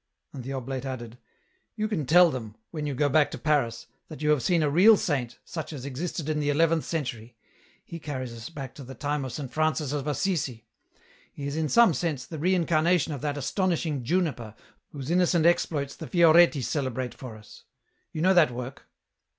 And the oblate added, " You can tell them, when you go back to Paris, that you have seen a real saint, such as existed in the eleventh century ; he carries us back to the time of St. Francis of Assisi ; he is in some sense the reincarnation of that astonishing Juniper whose innocent exploits the Fioretti celebrate for us. You know that work